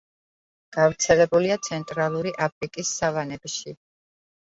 გავრცელებულია ცენტრალური აფრიკის სავანებში.